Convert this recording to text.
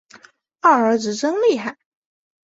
二儿子真厉害